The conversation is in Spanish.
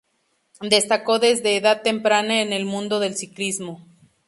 Destacó desde edad temprana en el mundo del ciclismo.